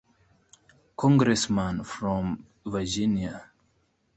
Congressman from Virginia.